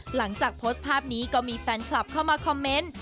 หลังจากโพสต์ภาพนี้ก็มีแฟนคลับเข้ามาคอมเมนต์